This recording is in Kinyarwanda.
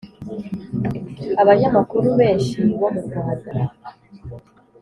Aba nyamakuru benshi bo murwanda